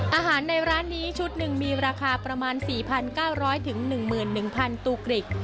อาหารในร้านนี้ชุดหนึ่งมีราคาประมาณ๔๙๐๐๑๑๐๐๐ตูกริก